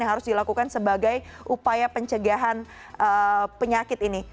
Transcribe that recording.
yang harus dilakukan sebagai upaya pencegahan penyakit ini